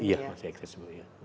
iya masih accessible ya